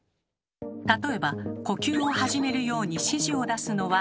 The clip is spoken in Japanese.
例えば呼吸を始めるように指示を出すのは脳。